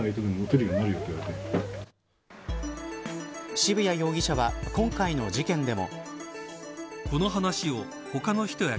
渋谷容疑者は今回の事件でも。